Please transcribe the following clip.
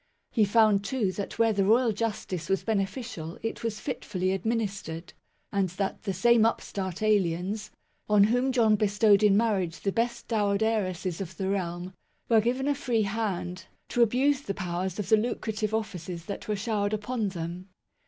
He found too that where the royal justice was beneficial, it was fitfully administered ; and that the same upstart aliens, on whom John bestowed in marriage the best dowered heiresses of the realm, were given a free hand to abuse the powers of the lucrative offices that were showered upon them.